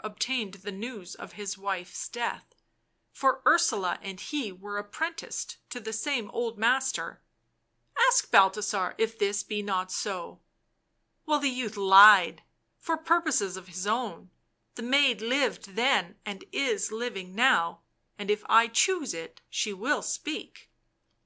from him Balthasar obtained the news of his wife's death, for Ursula and he were apprenticed to the same old master — ask Balthasar if this be not so — well, the youth lied, for purposes of his own ; the maid lived then, and is living now, and if I choose it she will speak."